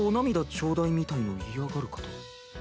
ちょうだいみたいの嫌がるかと。